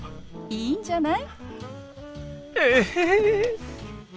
いいんじゃない？え！